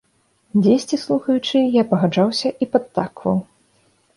Дзесьці, слухаючы, я пагаджаўся і падтакваў.